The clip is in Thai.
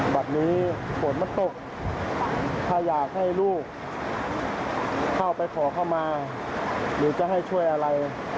บัตรนี้ฝนมันตกถ้าอยากให้ลูกเข้าไปขอเข้ามาหรือจะให้ช่วยอะไร